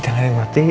jangan yang mati